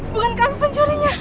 bukan kami pencurinya